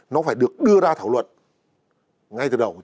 nó phải được đưa ra thảo luận ngay từ đầu